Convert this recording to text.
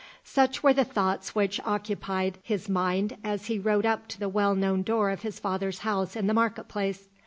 Such were the thoughts which occupied his mind as he rode up to the well known door of his father's house in the market place.